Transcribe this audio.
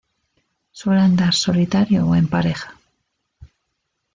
Suele andar solitario o en pareja.